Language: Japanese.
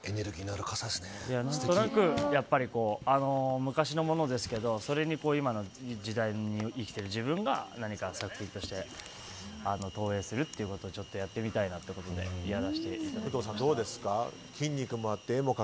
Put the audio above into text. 何となく昔のものですけどそれに今の時代に生きてる自分が何か作品として投影するということをやってみたいなということで工藤さん、どうですか。